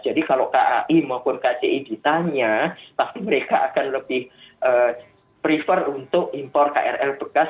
jadi kalau kai maupun kci ditanya pasti mereka akan lebih prefer untuk impor krl bekas